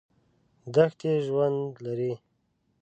دښتې ژوند لري.